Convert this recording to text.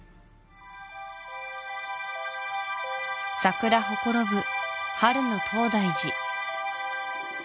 桜ほころぶ春の東大寺